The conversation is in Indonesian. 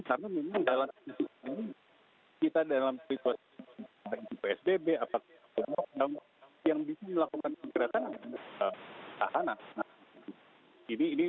karena memang dalam situasi ini kita dalam situasi ini seperti sdp apakah yang bisa dilakukan kekerasan adalah petahana